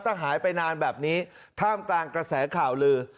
ถ้าหายไปนานแบบนี้ท่ามกลางกระแสข่าวลือ